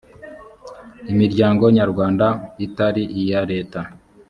imiryango nyarwanda itari iya leta